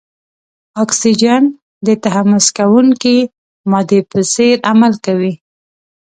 اکسیجن د تحمض کوونکې مادې په څېر عمل کوي.